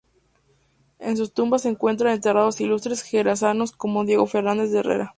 En sus tumbas se encuentran enterrados ilustres jerezanos como Diego Fernández de Herrera.